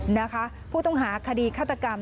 นะคะผู้ต้องหาคดีฆาตกรรม